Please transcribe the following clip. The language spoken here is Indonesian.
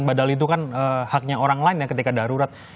padahal itu kan haknya orang lain yang ketika darurat